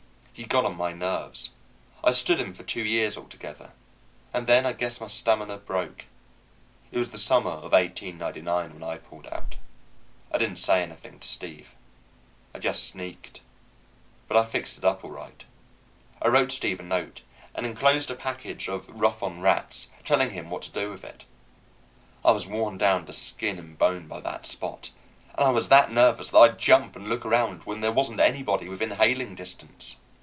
He got on my nerves. I stood him for two years altogether, and then I guess my stamina broke. It was the summer of 1899 when I pulled out. I didn't say anything to Steve. I just sneaked. But I fixed it up all right. I wrote Steve a note, and enclosed a package of "rough on rats," telling him what to do with it. I was worn down to skin and bone by that Spot, and I was that nervous that I'd jump and look around when there wasn't anybody within hailing distance.